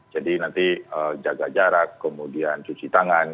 nanti jaga jarak kemudian cuci tangan